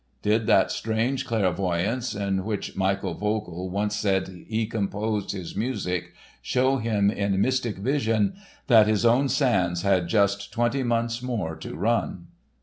Did that strange clairvoyance in which Michael Vogl once said he composed his music show him in mystic vision that his own sands had just twenty months more to run?